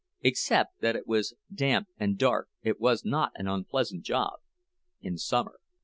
Except that it was damp and dark, it was not an unpleasant job, in summer.